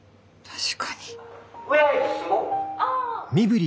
確かに。